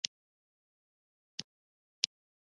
ایا مصنوعي ځیرکتیا د فرهنګي خپلواکۍ خنډ نه ګرځي؟